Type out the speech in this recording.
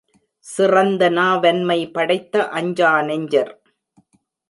சிறந்த நாவன்மை படைத்த அஞ்சா நெஞ்சர்.